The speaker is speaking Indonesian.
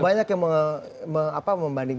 banyak yang membandingkan seperti itu